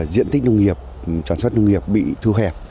diện tích nông nghiệp sản xuất nông nghiệp bị thu hẹp